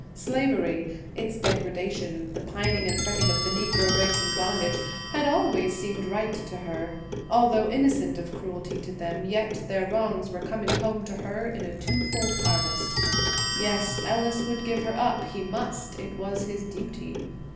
Slavery–its degradation, the pining and fretting of the Negro race in bondage–had always seemed right to her. Although innocent of cruelty to them, yet their wrongs were coming home to her in a two fold harvest. Yes, Ellis would give her up; he must; it was his duty.